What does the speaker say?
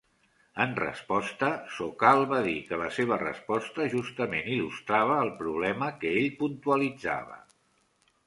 En resposta, Sokal va dir que la seva resposta justament il·lustrava el problema que ell puntualitzava.